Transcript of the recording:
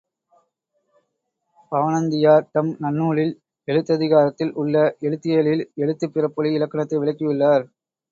பவணந்தியார் தம் நன்னூலில், எழுத்ததிகாரத்தில் உள்ள எழுத்தியலில், எழுத்துப் பிறப்பொலி இலக்கணத்தை விளக்கியுள்ளார்.